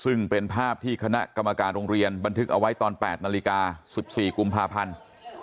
ซึ่งเป็นภาพที่คณะกรรมการโรงเรียนบันทึกเอาไว้ตอน๘นาฬิกา๑๔กุมภาพันธ์